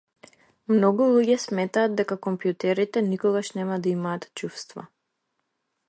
Многу луѓе сметаат дека компјутерите никогаш нема да имаат чувства.